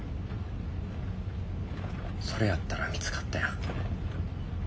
それやったら見つかったやん。